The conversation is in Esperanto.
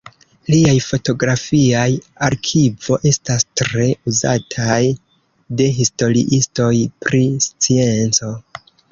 Liaj fotografiaj arkivo estas tre uzataj de historiistoj pri scienco.